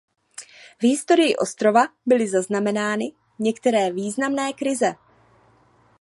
V historii ostrova byly zaznamenány některé významné krize.